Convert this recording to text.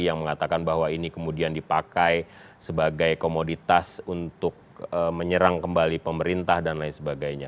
yang mengatakan bahwa ini kemudian dipakai sebagai komoditas untuk menyerang kembali pemerintah dan lain sebagainya